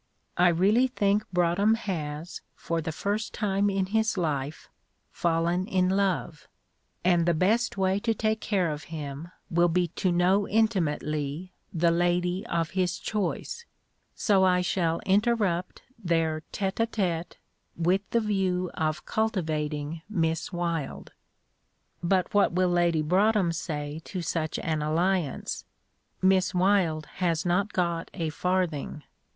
I really think Broadhem has, for the first time in his life, fallen in love, and the best way to take care of him will be to know intimately the lady of his choice, so I shall interrupt their tête à tête with the view of cultivating Miss Wylde." "But what will Lady Broadhem say to such an alliance? Miss Wylde has not got a farthing."